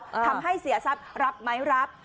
ทำให้เสียทรัพย์รับไหมรับ